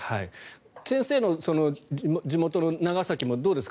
先生の地元の長崎もどうですか？